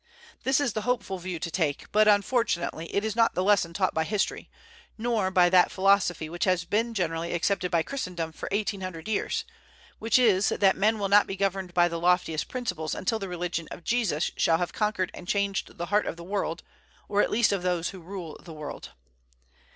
This is the hopeful view to take; but unfortunately it is not the lesson taught by history, nor by that philosophy which has been generally accepted by Christendom for eighteen hundred years, which is that men will not be governed by the loftiest principles until the religion of Jesus shall have conquered and changed the heart of the world, or at least of those who rule the world.